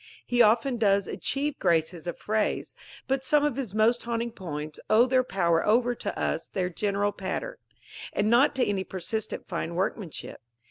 He often does achieve graces of phrase; but some of his most haunting poems owe their power over us to their general pattern, and not to any persistent fine workmanship.